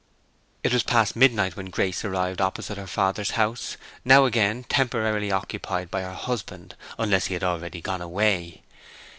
It was past midnight when Grace arrived opposite her father's house, now again temporarily occupied by her husband, unless he had already gone away.